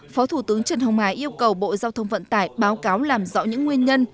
phó thủ tướng trần hồng hải yêu cầu bộ giao thông vận tải báo cáo làm rõ những nguyên nhân